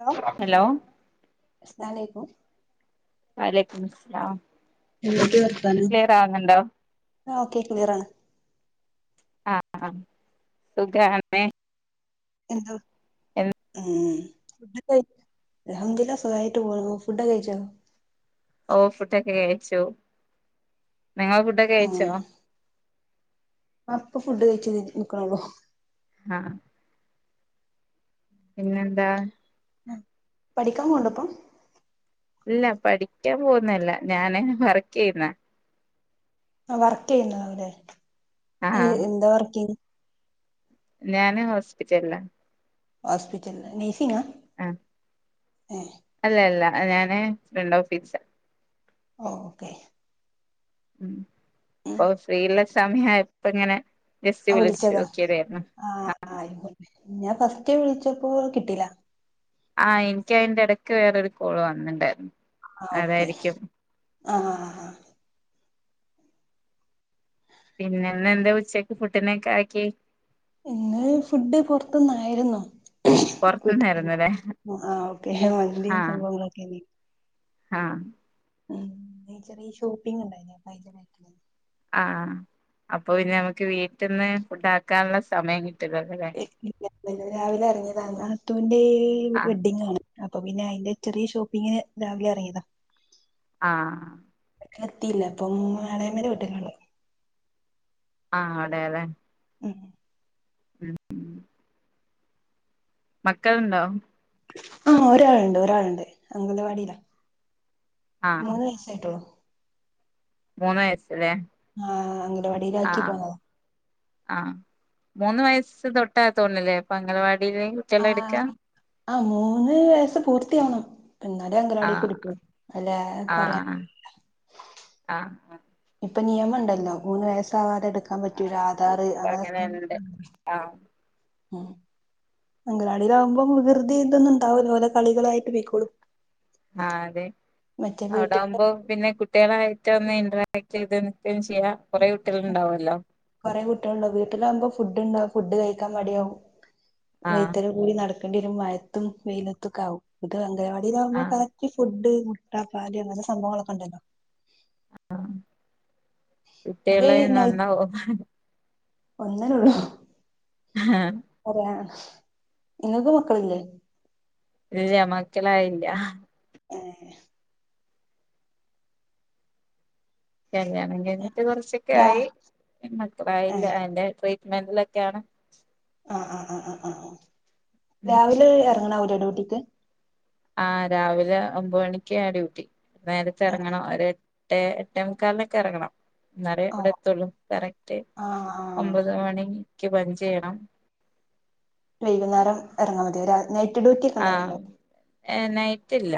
hello അലാലക്കും വലക്കംസ്ലാം എന്തൊക്കെ വർത്താനം കേയറുന്നുണ്ടോ ആഹ് കേക്ക വറാണ് ആ ആഹ് സുഖന്നേ എന്ത് ഉം ഉം ഫുഡോകഴിച്ച അഹദാ സട്ട ഫുഡ കഴിച്ച ഓ ഫുഡൊക്കെ കഴച്ചു നിങ്ങ ഫുഡൊക്കെ കയച്ചോ അപ്പൊ ഫുഡ് കയ്ച്ച നിക്കനള്ളൂ ആഹ് പിന്നെന്താ പഠിക്കാൻ കൊണ്ടപ്പം ഇല്ല പഠിക്കാൻ പോുന്നല്ല ഞാന് വർക്ക് ചെയ്യുന്ന ആ വർക്ക് ചെയ്യുന്ന അവല്ല ആ എന്താ വർക്ക് ചെയ ഞാന് ഹോസ്പിറ്റലിൽ ആണ് ഹോസ്പിറ്റൽ നെയിസിങ് ആണോ ആഹ ആഹ അല്ല അല്ല ഞാന് രണ്ട ഓഫീസ് ഓക്കെ ഉ ഉം അപ്പൊ ഫ്രീയു ള്ള സമയം ആയപ്പോ ഇങ്ങനെ ജസ്റ്റ് വിളിച്ചു വിളിച്ചതാ നോക്കിയതായിരുന്നു ആ ഞാൻ ഫസ്റ്റ് വിളിച്ചപ്പോ കിട്ടില്ല ആഹ എനിക്ക് അതിറെ ഇടയ്ക്ക് വേറൊരു കോള് വന്നിണ്ടായിരുന്നു അതായിരിക്കും ആഹ ആ് ആ പിന്നെന്ന എന്താ ഉച്ചക്ക് ഫുഡിന് ഒക്കെ ഉണ്ടാക്കി ഇന്ന് ഫുഡ് പുൊറത്തന്നായിുന്നോ ട്ട പുറത്തുന്നായിരുന്നല്ലേ ആ് ഓക്കെ മന്തിും സംഭവങ്ങളൊക്കെ ആഹ ഉ ചെറിയ ഷോപ്പിംഗ ഉണ്ടായി ഭയട്ട ആഹ അപ്പൊ നമ്മുക്ക് വീട്ടിൽന്ന് ഫുഡ് ആാക്കാനുള്ള സമയം കിട്ട രാവിലെ ഇറങ്ങിയത നാത്തൂന്റെ ആഹ് വെഡ്ഡിംഗ ആണ് അപ്പൊ പിന്നെ അയിന്റെ ചെറിയ ഷോപ്പിംഗിന് രാവിലെ ഇറങ്ങിയതാ ആഹ് എത്തിയില്ല അപ്പം എളാമന്റെ വീട്ടിൽ ആണ് ഉള്ളത് ആഹ അതെ അതെ ആ ഉം ഉ മക്കൾുണ്ടോ ആഹ ഒരാളുണ്ട് ഒരാളുണ്ട് അങ്ങത്തെ പാടില്ല ആഹ് മൂന്ന് വയസായിട്ടുള്ളു മൂന്ന് വയ്യസോ ആഹ അങ്ങനെ വടിയില ആാക്കി പോന്നത ആഹ് മൂന്ന് വയസ്സ് തൊട്ടതോന്നുന്നലെ അപ്പൊ അംഗലവാടിൽ ആ കുട്ടിക്കളെ എടുക്കാ ആ മൂന്ന് വയസ്സ് പൂർത്തിയാവണം പിന്നാലെ അങ്ങനാടി ആഹ് കുടിക്ക അല്ലെ കൊറ ആഹ് ആഹ് ഇപ്പൊ നിയമംണ്ടല്ലോ മൂന്ന് വയസാവാതെടു ക്കാൻ പറ്റിയ ഒരു ആധാറ് അപ്പൊ അങ്ങനെക്കെ അങ്ങനെണ്ട് ആഹ് ഉ അങ്കലാളിയിലാകുമ്പോൾ വി കൃതി ഇതൊന്നും ഉണ്ടാവല്ലോ ഓലെ കളികളായിട്ട് പീക്കോളും ആ അതെ അവിടെ വീട്ടില് ആുമ്പോ പിന്നെ കുട്ടികളായിട്ട് ഒന്ന് ഇറക് ചെയതക്ക കൊറെേ കുട്ടികൾുണ്ടാവ വീട്ടിലാവകുമ്പോ ഫുഡ്ുണ്ടാവ ഫുഡ് കഴിക്കാൻ മടി യാവും ആഹ് പിന്നാലെ കൂടി നടക്കണം ക്ക ഒരു മഴത്തും വെയിലത്തആകും ഇത് അംഗവാടിയില ആകുമ്പോ ആഹ് കറക്റ്റ് ഫുഡ് മുട്ടപ്പാലി അങ്ങനത്തെ സംഭവങ്ങളൊക്കെ ഉണ്ടല്ലോ കുട്ടികുള്ള നന്ന ഒന്നിന ഉള്ളൂ ഹാആ അത് ന ഇങ്ങൾക്ക് മക്കളില്ലേ ഇല്ല്യ മക്കളായില്ല ഏഹ് കല്യാണം കയ്ഞ്ഞിട്ട് കൊറച്ചൊക്കെ രാ ആയി മക്കളായില്ല ഏഹ് അയ്ന്റെ ട്രീ മെൻ്റ്ലൊക്കെയാണ് ആ ആ ആ ആ ആ രാവിലെ എറങ്ങണോവ്ടെ ഡ്യൂട്ടിക്ക് ആ രാവിലെ ഒമ്പ്മണിക്കാ ഡ്യൂട്ടി നേരത്തെ ആഹ് എറങ്ങണം ഒരേ ട്ടേ എട്ടേമുക്കാലിനൊക്കെ എറങ്ങണം ന്നാറെ ഓഹ് ഇവിടെത്തുള്ളൂ കറക്റ്റ് ആഹ് ആഹ് ഒമ്പത് മണി ക്ക് പഞ്ചെയ്യണം വൈകുന്നേരം എറങ്ങാ മതിയോ രാ നൈറ്റ് ഡ്യൂട്ടിക്കെ ഉണ്ടാവൽ ണ്ടോ നൈറ്റ് ത്തില്ല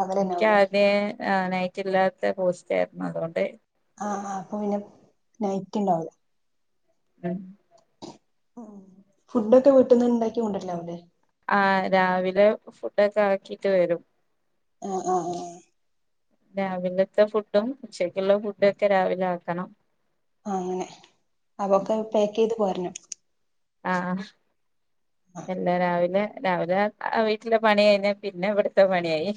പകലന്നാവൂലേ എൻക്കാദ്യേ ആ നൈറ്റ് ഇല്ലാത്ത പോസ്റ്റായിരുന്നു അതുകൊണ്ടേ ആഹ് ആഹ് അപ്പൊ പിന്നെ നൈറ്റ്ണ്ടാകൂല ഉം ഉം ഫുഡൊക്കെ വീട്ട്ന്ന് ഇണ്ടാക്കി കൊണ്ടരലാവില്ലേ ആഹ് രാവിലെ ഫുഡൊക്കെ ആക്കീട്ട് വരും ആഹ് ആ ആ രാവിലത്തെ ഫുഡും ഉച്ചക്കുള്ള ഫുഡൊക്കെ രാവിലെ ആക്കണം ആഹ് അങ്ങനെ അതൊക്കെ പാക്ക് ചെയ്ത് പോരണം ആഹ് ആഹ് എല്ലാ രാവിലെ രാവിലെ ആ വീട്ടിലെ പണികയിഞ്ഞാ പിന്നെ ഇവിടുത്തെ പണിയായി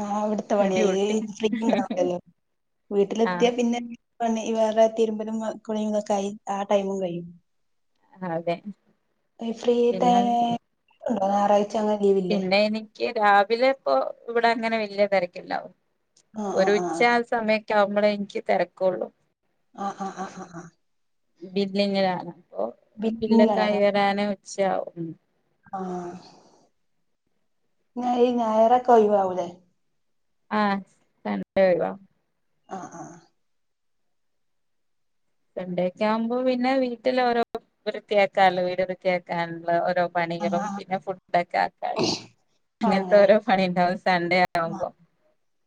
ആഹ് അവിടുത്തെ പണിയായി ഡ്യൂട്ടി ഫ്രീ ഇണ്ടാവില്ലാല്ലേ ആഹ് വീട്ടിലെത്തിയാപ്പിന്നെ പണി വേറെ തിരുമ്പലും ആ കുളീങ്ങൊക്കെയായി ആ ടൈമും കഴിയും അതെ ഈ ഫ്രീ പിന്നെ ടൈമ് ഞാറായ് പിന്നെ എനിക്ക് രാവിലെ ഇപ്പോ ഇവ്ടെ അങ്ങനെ വല്ല്യ തിരക്കില്ലാവും ആഹ് ഒരു ആഹ് ഉച്ച ആഹ് സമയെക്കെയാമ്പളേ എനിക്ക് തെരക്കൊള്ളൂ ആഹ് ആഹ് ആഹ് ആഹ് ആ ബില്ലിങ്ങാണ് അപ്പൊ ബില്ലൊക്കെ ബില്ലിങ്ങിലാണ് അതോ കയറാന് ഉച്ചയാവും ആഹ് ഞാഈ ഞായറൊക്കെ ഒയിവാകൂലേ ആഹ് സൺ ഡെ ഒഴിവാ ആഹ് ആഹ് സണ്ടേക്കെ ആമ്പോ പിന്നെ വീട്ടില് ഓരോ ര് കേക്കാലോ വീട് കേക്കാൻള്ള ഓരോ ആഹ് പണികളും ആഹ് പിന്നെ ഫുഡൊക്കെ ആക്കാനും അങ്ങൻത്തെ അങ്ങനെ ഓരോ പണിണ്ടാവും സണ്ടേ ആവുമ്പോ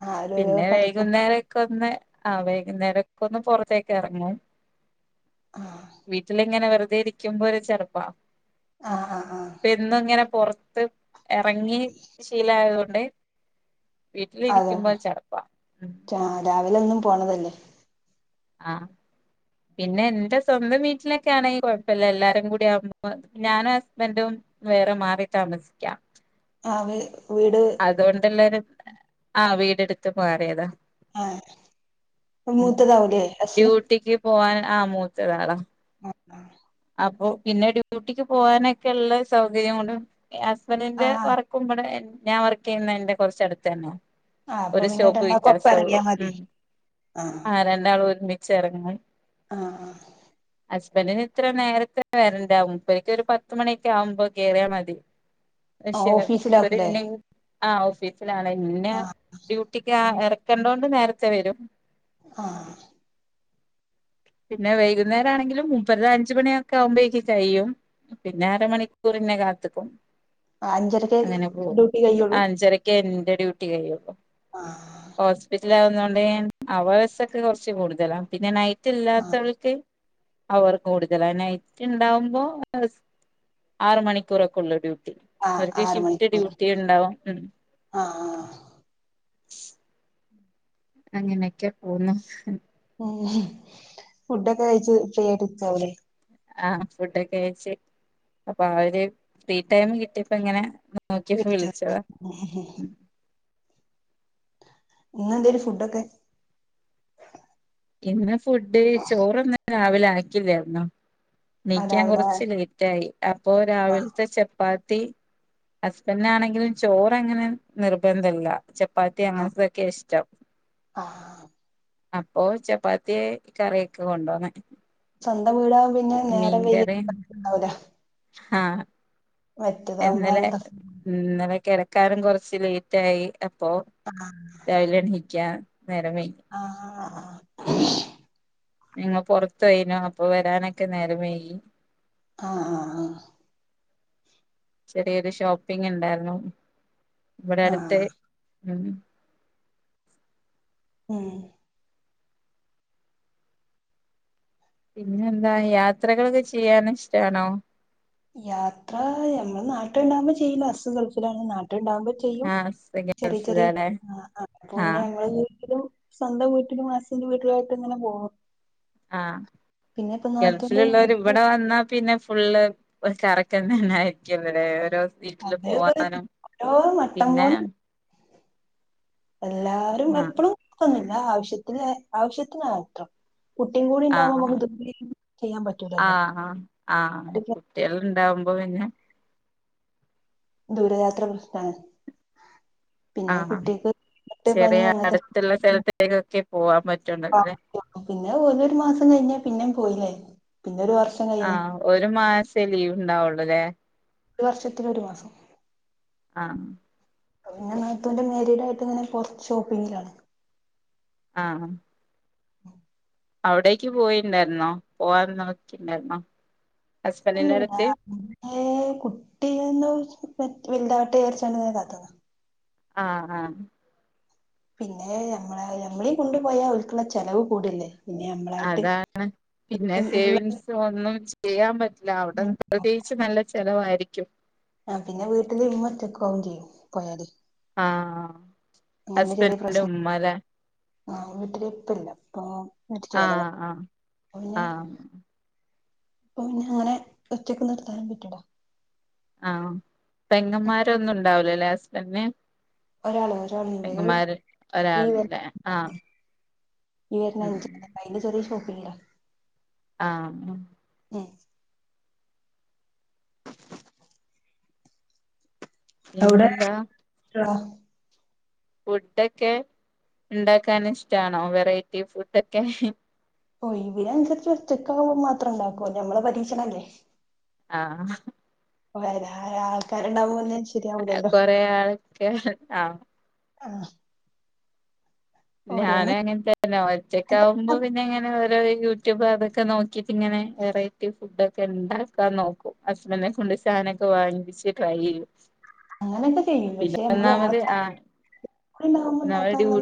ആഹ് ഓരോരോ പിന്നെ പണിക്കും വൈകുന്നേരക്കൊ ന്നെ ആ വൈകുന്നേരക്കൊന്ന് പൊറത്തേക്ക് എറങ്ങും ആഹ് വീട്ടിലിങ്ങനെ വെറുതേരിക്കുമ്പോ ഒരു ചെറുപ്പാ ആഹ് ആഹ് ആഹ് പ്പെന്നു ഇങ്ങനെ പൊറത്ത് എറങ്ങി ശീലായതുകൊ ൺണ്ടേ അതെ രാ രാവിലെ എന്നും പോണതല്ലേ ആഹ് പിന്നെ എന്റെ സ്വന്തം വീട്ട്ലൊക്കെ ആണെയി കൊഴപ്പഇല്ല എല്ലാരൊക്കെക്കൂടിയാവുമ്പൊ ഞാനും ഹസ്ബെൻ്റും വേറെ മാറി താമസിക്കാം അവര് അതുകൊണ്ടെല്ലാരും ആഹ് വീടെടുത്ത് മാറിയതാ ആഹ് ഉം മൂത്തതാവൂലേ ഹസ് ഡ്യൂട്ടിക്ക് പോആൻന് ആ മൂത്തയൊരാളാ ആഹ് അപ്പൊ പിന്നെ ഡ്യൂട്ടിക്ക് പോകാനൊക്കെള്ള സൗകര്യം കൊണ്ട് ഹസ്ബൻഡറിന്റെ ആഹ് വർക്കും എവടെ ഞാൻ വർക്ക് ചെയ്യുന്നതിന്റെ കുറച്ച് അ ടുത്ത് തന്നെയ അപ്പൊ ഒരു പിന്നെ സ്റ്റോപ്പ്‌ രണ്ടാക്കും ഒപ്പം വ്യത്യാസേ ഇറങ്ങിയാ ഉള്ളൂ മതി ഉ ആ രണ്ടാൾ ഒരുമിച്ചു ചെന്നെറ ങ്ങാൻ ആഹ ആ ഹസ്ബന്റിന് ഇത്ര നേരത്തെ വരണ്ട മുപ്പർ ക്ക് ഒരു പത്തുമണിയൊക്കെ ആവുമ്പോ കേയറിയാൽ മതി ആഹ് അക്ഷെ ബ ഓഫീസിലാക്കൂലേ ആ ഓഫീസിലാണ് ഇന്നെ ആഹ് ഡ്യൂട്ടിക്ക് ഇറക്കണ്ടണ്ട് നേരത്തെ വരും ആഹ പിന്നെ വൈകുന്നേരം ആണെങ്കിലും മൂ മൂ പ്പരുടെ അഞ്ചു മണിയൊക്കെ ആകുമ്പോേഴെ ക്ക് കഴി യും പിന്നെ അരമണിക്കൂർ പിന്നെ കാക്കും അഞ്ചരക്കെ അങ്ങനെ പോകും ഡ്യൂട്ടി കഴിയുള്ളൂ അഞ്ചരക്കാരുന്നു എന്റെ ഡ്യൂട്ടി കഴിയുമ്പം ആഹ മനസിലാ വുന്ന കൊണ്ട് അവടൊക്കെ കുറച്ച് കൂടുതലാണ് പിന്നെ നൈറ്റ് ആഹ് ഇല്ലാത്തവൾക്ക് അവർ കൂടുത ട്ടുണ്ടാവുമ്പോ ആറ മണിക്കൂറൊക്കെ ഉള്ളൂ ഡ്യൂട്ടി ആഹ് അവർക്ക് ആറ് ഷിഫ്റ്റ് മണിക്കൂർ ഡ്യൂട്ടി ഉണ്ടാവും ഉ [inaudible] ആഹ് അങ്ങനെയൊക്കെ പോന്നുന്നു ഫുഡൊക്കെ കഴച്ച് ഫ്രീ ആയിട്ട് ഇചിരിനേരം അവിടെ ആഹ് ഫുഡൊക്കെ കഴച്ച് അപ്പൊ അവര് ഫ്രീ ടൈം കിട്ടിയപ്പോ ഇങ്ങനെ നോക്കി വിളിച്ചത എങ്ങനുണ്ട് ഫുഡൊക്കെ ഇന്ന് ഫുഡ് ചോറൊന്നും രാവിലെ ആക്കില്ലായിാരുന്നു വയ് ആ ക്കാൻ രാവിലെ കുറച്ച് ലേറ്റെ ആയി അപ്പൊ ആഹ് രാവിലത്തെ ചപ്പാത്തി ഹുസ്ബൻഡ് ആണെങ്കിലും ചോറങ്ങ ങ്ങനെ നിർബന്ധമല്ല ചപ്പാത്തി അങ്ങനത്തെ ആഹ് ക്കെ ഇഷ്ടം ആഹ് ഓ ചപ്പാത്തിയെ കറി യൊക്കെയാകൊണ്ട് പൊന്നെ സ്വന്തം വീടാകുമ്പം പിന്നെ നേരം വൈകിയാലും അറിഞ്ഞിട്ടുണ്ടാവില്ല ആഹ ഇന്നലെ പ്രശ്നം ഇന്നലെ കട കിടക്കാനും കുറച്ച് ലേറ്റ് ആയി അപ്പൊ രാവിലെ എണിക്കാൻ നേരം വൈകി ആ നിങ്ങള് പുറത്ത പോയി അപ്പൊ വരാനൊക്കെ നേരം വൈകി ആഹ് ആഹ് ആഹ് ചെറിയൊരു ഷോപ്പിങ് ഉണ്ടായിരുന്നു ഇവിടെ ആ അടുത്ത് ഉം ഉഹ പിന്നെ എന്താ യാത്രകളൊക്കെ ചെയ്യാന ഇഷ്ടാണോ യാത്ര നമ്മൾ നാട്ടിലുണ്ടാവകുമ്പോ ചെയ്യില്ല ഹ സ് ഗൾഫിലാണ് നാട്ടിൽ ഉണ്ടാ കുമ്പോ ചെയ്യും ആഹ് ചെറിയ ചെറിയ ഗൾഫിലാല്ലേ അപ്പപി ന്നെ ആഹ് ഞങ്ൾവീട്ടി ലും സ്വന്തം വീട്ടിലും ഹ സിന്റെ വീട്ടിലുമാ യിട്ട് ഇങ്ങനെ പോകുന്നു ആഹ നാത്തൂന്റെ ഗൾഫിലുള്ളവർ ഇവിടെ വന്നാ പിന്നെ ഫുള്ള് കറക്കം തന്നെ ആയിരിക്കും ഓരോ വീട്ടില് മാരീഡ് അത് പോവാനും ഓരോ മട്ടം പിന്നെ പോലെ എല്ലാരും ആ എപ്പഴും കറങ്ങു ന്നില്ല ആവശ്യത്തിന് ആവശ്യത്തിനുമാ ത്രം ആഹ ചെയ്യാൻ പറ്റൂലല്ലോ ആ് ആഹ് കുട്ടികൾ ഉണ്ടാവും അപ്പ പിന്നെ ദൂരയാത്ര പ്രശനാണ് ആ പിന്നെ കുട്ടിക്ക് ട്ട് പനി ചെറിയ അങ്ങനത്തെ അടുത്തുള്ള സ്ഥലത്തേക്കൊക്കെ പോവാൻ പറ്റുള്ളൂ അല്ലെ പിന്നെ ഓരോരോ മാസം കഴിഞ്ഞാ പിന്നെയും പോവി ല്ലായിരുന്നു ആഹ ഒരു മാസേ ലീവ് ഉണ്ടാവുള്ളുല്ലേ ഒരു വർഷത്തി ഒരു മാസം ആഹ് പിന്നെ നാത്തൂന്റെ മേരിടായിട്ട് ഇങ്ങനെറ ഷോപ്പിങ്ങിലാണ് ആഹ അവിടേക്ക് പോയിണ്ടായിരുന്നോ പോവാൻ നോക്കിുണ്ടായിുന്നോ ഇല്ല അ കുട്ടിയന്ന് വലതാട്ട യർച്ചണ്ട്െ കാത്തത ആ ആ പിന്നെ ഞമ്മളെ ഞമ്മളീ കൊണ്ടു പോയാൽ ഓൽക്ക്ള്ള ചെലവ് കൂടല്ലേ പിന്നെ ഞമ്മളായിട്ട് അതാണ് പിന്നെ സേവിങ്സ് ഒന്നും ചെയ്യാൻ പറ്റില്ല അവിട പ്രത്യേകിച്ച് നല്ല ചെലവായിരിക്കും ആ പിന്നെ വീട്ടിൽ ഇമ്മ ഒറ്റക്കാവും ചെയ്യും പോയാല് ആ ഹസ്ബൻഡ് ഉമ്മ ല്ലേ ആ വീട്ടില് ഇപ്പ ഇല്ല ഇപ്പാ മര്ചോയത ആഹ് ആഹ് പിന്നെ ആഹ് അപ്പൊ പിന്നേ അങ്ങനെ ഒറ്റക്ക് നിർത്താനും പറ്റൂല ആ പെങ്ങമാര് ഒരാള് ഒരാളുണ്ട് ഈ ഒരാളല്ലേ ആഹ ഈ വരുന്ന അഞ്ച അ ചെറിയ ഷോപ്പില്ലേ ആ ഉം എവിടെ പിന്നെന്താ ഫുഡൊക്കെ ഉണ്ടാക്കാൻ ഇഷ്ടാണോ വെറൈറ്റി ഫുഡൊക്കെ ഓ ഇവര് അനുസരിച്ച് ഒച്ചക്കാവുമ്പോൾ മാത്ര ഉണ്ടാക്കുവ ഞമ്മളെ പരീക്ഷണംല്ലേ ആ ആൾക്കാരുണ്ടാവ പിന്നേ കൊറെ ആൾക്കെ ആ ആ ഞാൻ അങ്ങൻത്തെന്നെ ഒറ്റക്ക ആവ്മ്പോ പിന്നെ എങ്ങനെ വ യൂട്യൂബ് അതൊക്കെ നോക്കിട്ട് ഇങ്ങനെ വെറൈറ്റി ഫുഡ ഒക്കെ ഉണ്ടാക്കാൻ നോക്കുംസ്ബൻ സാനൊക്കെ വാങ്ങിച്ച് ട്രൈ ചെയും അങ്ങനെയൊക്കെ ചെയ്യും പക്ഷെ നമ്മള് ആ ആൾക്കാർണ്ടാവുമ്പോ നമ്മള് ഡ്യൂ ഉണ്ടാക്കാനുള്ള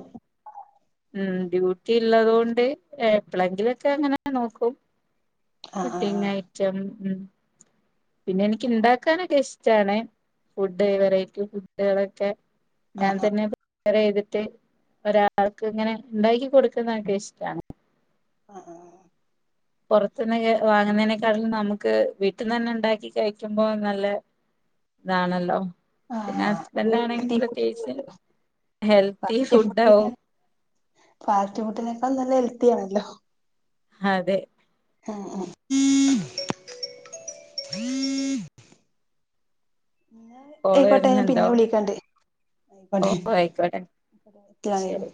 ഉം ഡ്യൂട്ടി ഉള്ളത കൊണ്ട് എപ്പോഴെങ്കിലൊക്കെ അങ്ങനെ നോക്കും ആഹ് പുഡിങ് ഐറ്റം ഉം പിന്നെ എനിക്ക് ഇണ്ടാക്കാനൊക്കെ ഇഷ്ടാണ് ഫുഡ് വെറൈറ്റി ഫുഡുകളൊക്കെ ആഹ് ആഹ് ഞാൻതന്നെ വറെ ചെയ്തിട്ട് ഒരാൾക്ക് ഇങ്ങനെ ഉണ്ടാക്കി കൊടുക്കുന്നൊക്കെ ഇഷ്ടമാണ് ആ പുറത്തുന്ന് വാങ്ങുന്നതിനേക്കാടില് നമുക്ക് വീട്ടിൽന്ന് തന്നെ ഇണ്ടാക്കി കഴിക്കുമ്പോ നല്ല ഇതാണല്ലോ ആഹ് പിന്നെ ആഹ് ഹസ്ബൻഡ ആഹ് ആണെങ്കിൽ പ്രത്യേകിച്ച് ആഹ് ഹെൽത്തി ഫുഡ ആവും പാർട്ടി ഫുട്ടിനൊക്കെ നല്ല ഹെൽത്തിയാണല്ലോ അതെ ആ ആ ഹ കോള് അയ്ക്കോട്ടെ ഞ പിന്നെ വരുന്നുണ്ടോ വിളിക്കണ്ട് ഓട്ടെ ഓ ആയിക്കോട്ടെ ശരി